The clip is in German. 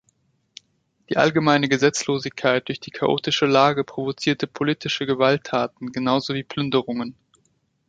Die allgemeine Gesetzlosigkeit durch die chaotische Lage provozierte politische Gewalttaten genauso wie Plünderungen.